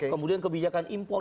kemudian kebijakan impor